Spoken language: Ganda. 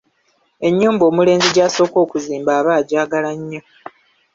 Ennyumba omulenzi gy’asooka okuzimba aba ajaagala nnyo.